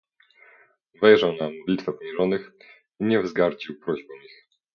Wejrzał na modlitwę poniżonych, i nie wzgardził proźbą ich.